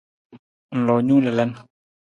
Ng loo nung lalan.